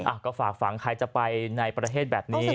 อ่ะก็ฝากฝังใครจะไปในประเทศแบบนี้